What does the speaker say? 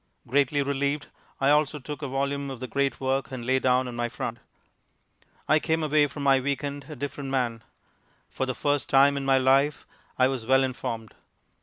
Greatly relieved, I also took a volume of the great work and lay down on my front. I came away from my week end a different man. For the first time in my life I was well informed.